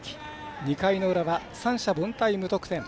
２回の裏は三者凡退、無得点。